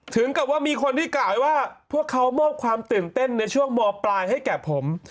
ถึงกับว่ามีคนที่กล่าวว่าพวกเขามอบความตื่นเต้นในช่วงมปลายให้แก่ผม